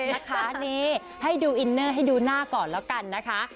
นะคะนี่ให้ดูอินเนอร์ให้ดูหน้าก่อนแล้วกันนะคะ